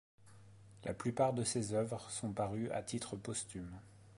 La plupart de ses œuvres sont parues à titre posthume.